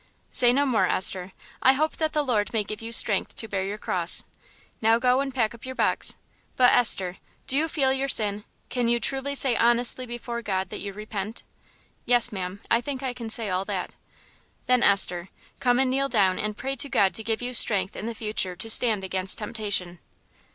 "Say no more, Esther. I hope that the Lord may give you strength to bear your cross.... Now go and pack up your box. But, Esther, do you feel your sin, can you truly say honestly before God that you repent?" "Yes, ma'am, I think I can say all that." "Then, Esther, come and kneel down and pray to God to give you strength in the future to stand against temptation."